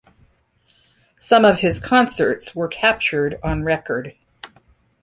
Some of his concerts were captured on record.